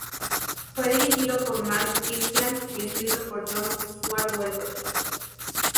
Fue dirigido por Mark Kirkland y escrito por John Swartzwelder.